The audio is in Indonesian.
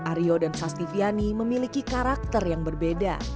ario dan sastiviani memiliki karakter yang berbeda